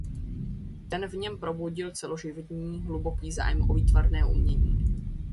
Ten v něm probudil celoživotní hluboký zájem o výtvarné umění.